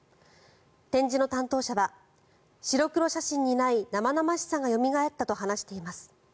展示の担当者は白黒写真にない生々しさがよみがえったと話しています。